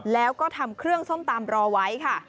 แล้วก็ทำเครื่องส้มตำรอไว้ค่ะ